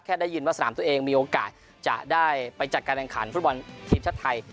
ได้ยินว่าสนามตัวเองมีโอกาสจะได้ไปจัดการแข่งขันฟุตบอลทีมชาติไทย